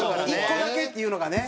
１個だけっていうのがね。